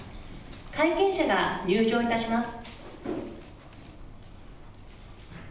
会見者が入場いたします。